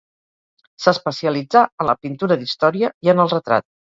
S'especialitzà en la pintura d'història i en el retrat.